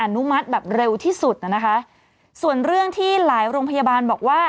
นุมัติแบบเร็วที่สุดน่ะนะคะส่วนเรื่องที่หลายโรงพยาบาลบอกว่า